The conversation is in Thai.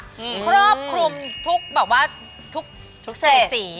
ครอบคลุมทุกแบบว่าทุกเฉดสี